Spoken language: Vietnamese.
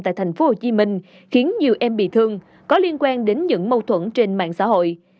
tại tp hcm khiến nhiều em bị thương có liên quan đến những mâu thuẫn trên mạng xã hội